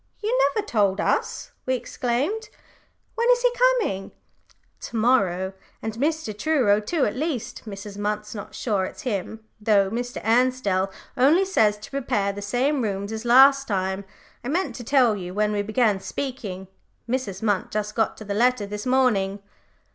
You never told us," we exclaimed. "When is he coming?" "To morrow; and Mr. Truro too. At least, Mrs. Munt's sure it's him, though Mr. Ansdell only says to prepare the same rooms as last time. I meant to tell you when we began speaking Mrs. Munt just got the letter this morning."